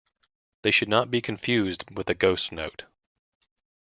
They should not be confused with a ghost note.